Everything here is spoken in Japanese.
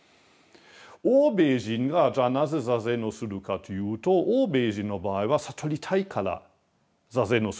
欧米人がじゃあなぜ坐禅をするかというと欧米人の場合は悟りたいから坐禅をする人が多いんですね。